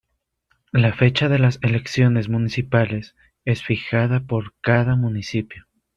La fecha de las elecciones municipales es fijada por cada municipio.